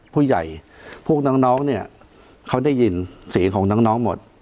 ผู้ใหญ่พวกน้องเนี่ยเขาได้ยินเสียงของน้องหมด